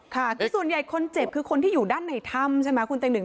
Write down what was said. ค่ะคือส่วนใหญ่คนเจ็บคือคนที่อยู่ด้านในถ้ำใช่ไหมคุณเต็